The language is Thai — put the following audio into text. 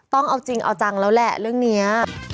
ต้องเอาจริงเอาจังแล้วแหละเรื่องนี้